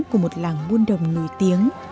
của một làng muôn đồng nổi tiếng